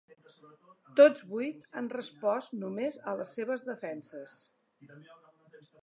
Tots vuit han respost només a les seves defenses.